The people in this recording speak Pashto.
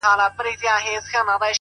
پوهه د انسان تلپاتې سرمایه ده!